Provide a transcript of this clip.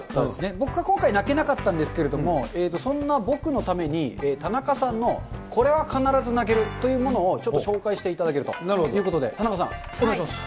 僕、今回、泣けなかったんですけれども、そんな僕のために、田中さんのこれは必ず泣けるというものを、ちょっと紹介していただけるということで、田中さん、お願いします。